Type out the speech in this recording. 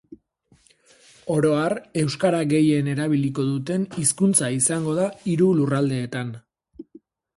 Oro har, euskara gehien erabiliko duten hizkuntza izango da hiru lurraldeetan.